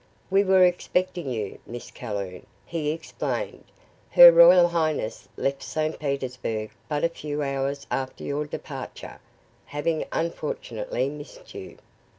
"We were expecting you, Miss Calhoun," he explained. "Her royal highness left St. Petersburg but a few hours after your departure, having unfortunately missed you."